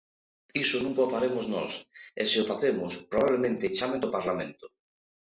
Iso nunca o faremos nós, e se o facemos, probablemente chamen do Parlamento.